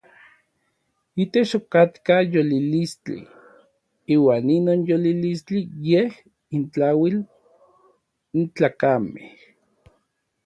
Itech okatka yolilistli, iuan inon yolilistli yej intlauil n tlakamej.